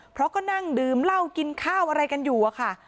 เพราะก็นั่งดื่มเหล้ากินข้าวอะไรกันอยู่อะค่ะ